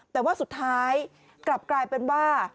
แต่ว่าสุดท้ายกลับกลายเป็นว่า